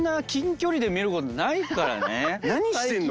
何してんの？